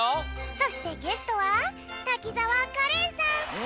そしてゲストは滝沢カレンさん。